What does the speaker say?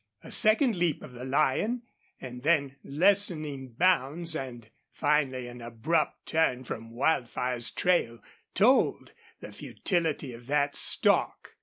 A second leap of the lion, and then lessening bounds, and finally an abrupt turn from Wildfire's trail told the futility of that stalk.